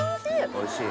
おいしい？